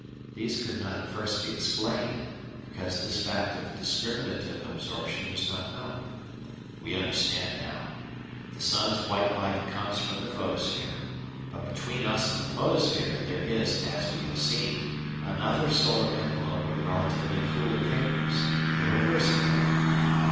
These could not at first be explained, because this fact of discriminative absorption was not known. We understand now. The sun's white light comes from the photosphere, but between us and the photosphere there is, as we have seen, another solar envelope of relatively cooler vapours the reversing layer.